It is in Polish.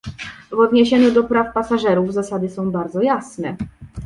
W odniesieniu do praw pasażerów zasady są bardzo jasne